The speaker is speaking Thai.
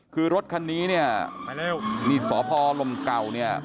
คือรถคันนี้เนี่ยนี่สพลมเก่าเนี่ย